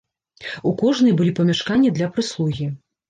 У кожнай былі памяшканні для прыслугі.